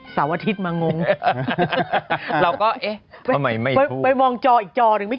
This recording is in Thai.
สาวอาทิตย์มางงเราก็เอ๊ะไปไปมองจออีกจอหนึ่งไม่